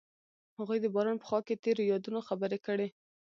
هغوی د باران په خوا کې تیرو یادونو خبرې کړې.